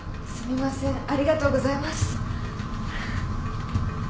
ありがとうございます。